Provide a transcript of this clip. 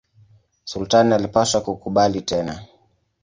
Sultani alipaswa kukubali tena.